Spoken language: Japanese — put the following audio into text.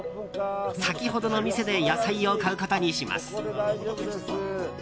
先ほどの店で野菜を買うことにします。